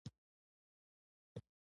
په انتظار ولاړه